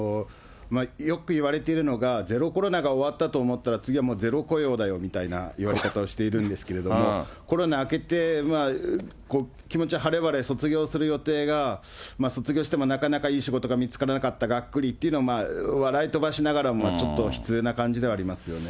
よくいわれているのが、ゼロコロナが終わったと思ったら、次はもうゼロ雇用だよみたいないわれ方をしているんですけれども、コロナ明けて、気持ちはればれ卒業する予定が、卒業してもなかなかいい仕事が見つからなかった、がっくりっていうの、笑い飛ばしながらもちょっと悲痛な感じではありますよね。